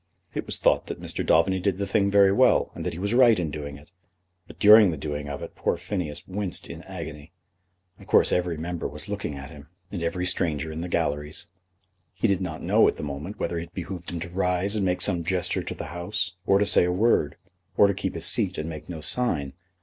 It was thought that Mr. Daubeny did the thing very well, and that he was right in doing it; but during the doing of it poor Phineas winced in agony. Of course every member was looking at him, and every stranger in the galleries. He did not know at the moment whether it behoved him to rise and make some gesture to the House, or to say a word, or to keep his seat and make no sign.